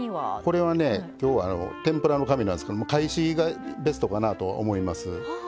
これはね今日は天ぷらの紙なんですけども懐紙がベストかなとは思います。